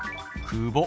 「久保」。